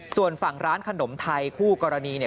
ส่วนฝั่งร้านขนมไทยคู่กรณีเนี่ย